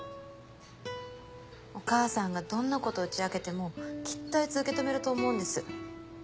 お母さんがどんなこと打ち明けてもきっとあいつ受け止めると思うんです。